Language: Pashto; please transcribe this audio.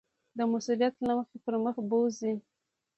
د مسؤلیت له مخې پر مخ بوځي.